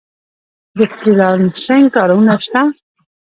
د فری لانسینګ کارونه شته؟